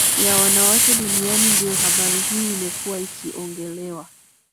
ya wanawake duniani ndio habari hii imekuwa ikiongelewa